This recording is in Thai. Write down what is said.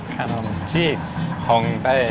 ขนมจีบฮองเต้